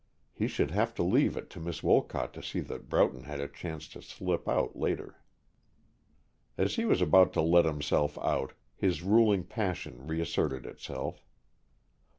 He should have to leave it to Miss Wolcott to see that Broughton had a chance to slip out later. As he was about to let himself out, his ruling passion reasserted itself.